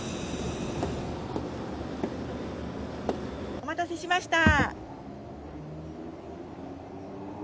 お待たせしました。